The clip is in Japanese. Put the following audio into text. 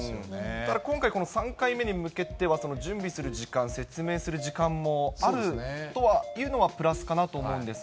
ただ今回の３回目に向けては、準備する時間、説明する時間もあるとはいうのは、プラスかなと思うんですが。